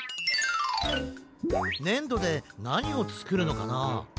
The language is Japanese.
ねんどでなにをつくるのかな？